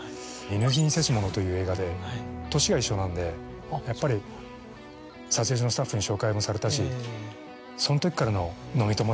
『犬死にせしもの』という映画で年が一緒なんでやっぱり撮影所のスタッフに紹介もされたしそのときからの。